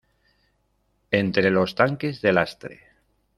entre los tanques de lastre.